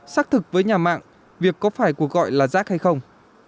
xác thực với nhà mạng việc có phải cuộc gọi là rác hay không